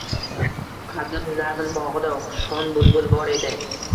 Qadim nazm bog‘ida xushxon bulbul bor edi.